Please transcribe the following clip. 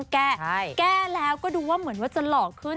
แก้แก้แล้วก็ดูว่าเหมือนว่าจะหล่อขึ้น